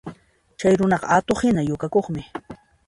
Chay runaqa atuqhina yukakuqmi